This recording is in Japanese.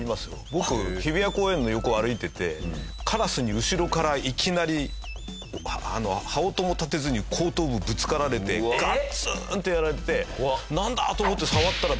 僕日比谷公園の横を歩いててカラスに後ろからいきなり羽音も立てずに後頭部ぶつかられてガツン！ってやられてなんだ！？と思って触ったら。